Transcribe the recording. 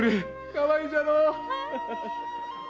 かわいいだろう！